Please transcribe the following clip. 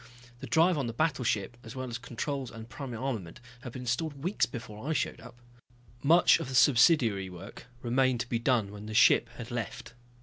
The drive on the battleship, as well as controls and primary armament had been installed weeks before I showed up. Much of the subsidiary work remained to be done when the ship had left.